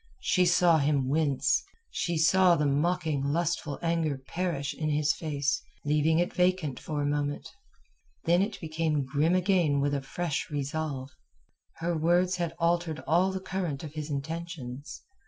She saw him wince; she saw the mocking lustful anger perish in his face, leaving it vacant for a moment. Then it became grim again with a fresh resolve. Her words had altered all the current of his intentions.